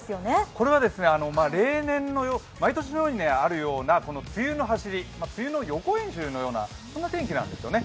これは毎年のようにあるような梅雨のはしり、梅雨の予行演習のような天気なんですよね。